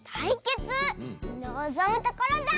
のぞむところだ！